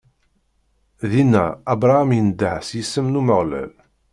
Dinna, Abṛaham indeh s yisem n Umeɣlal.